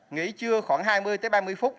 nghỉ trưa khoảng hai mươi ba mươi phút